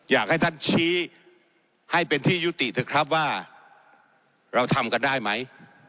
อยากให้ท่านชี้ให้เป็นที่ยุติเถอะครับว่าเราทำกันได้ไหม